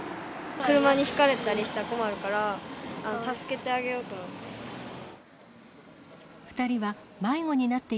車にひかれたりしたら困るから、助けてあげようと思って。